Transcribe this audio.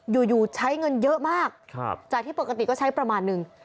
อยู่อยู่ใช้เงินเยอะมากจากที่ปกติก็ใช้ประมาณนึง